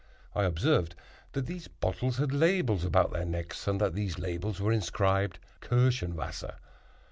I observed that these bottles had labels about their necks, and that these labels were inscribed "Kirschenwasser."